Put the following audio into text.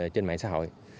trên mạng xã hội